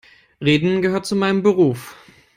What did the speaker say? Reden gehört zu meinem Beruf.